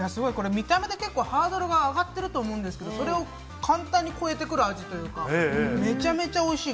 見た目でハードルが上がってると思うんですが、それを簡単に超えて来る味というか、めちゃめちゃおいしい。